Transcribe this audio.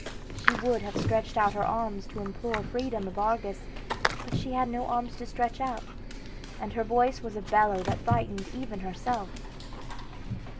She would have stretched out her arms to implore freedom of Argus, but she had no arms to stretch out, and her voice was a bellow that frightened even herself.